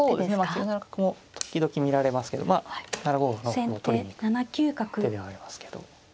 ９七角も時々見られますけど７五の歩を取りに行く手ではありますけど。